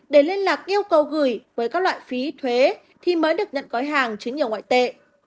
để liên lạc yêu cầu gửi với các loại phí thuế thì mới được nhận gói hàng chứa nhiều ngoại tệ